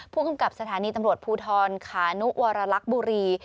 ผู้กำกับสถานีตำรวจภูทรขานุวรรลักษณ์บุรี